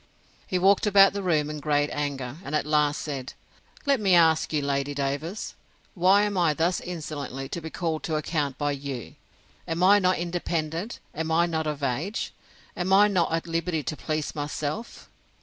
He walked about the room in great anger; and at last said, Let me ask you, Lady Davers, why I am thus insolently to be called to account by you? Am I not independent? Am I not of age? Am I not at liberty to please myself?